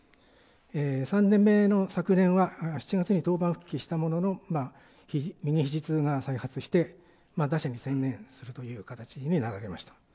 ３年目の昨年は、７月に登板復帰したものの右ひじ痛が再発して打者に専念するという形になられました。